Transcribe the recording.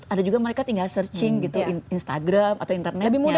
ada juga mereka tinggal searching gitu instagram atau internet nyari down syndrome